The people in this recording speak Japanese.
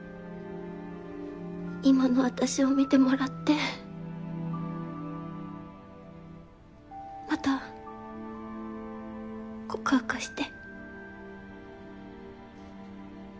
今の私を見てもらってまた告白して。